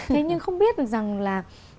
thế nhưng không biết được rằng là